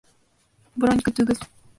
Бронь көтөгөҙ